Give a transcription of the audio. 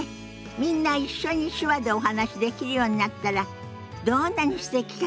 みんな一緒に手話でお話しできるようになったらどんなにすてきかしら。